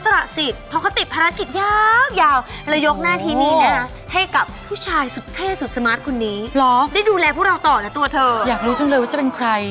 ร้ออยากรู้จังเลยว่าจะเป็นใครได้ดูแลพวกเราต่อนะตัวเธอ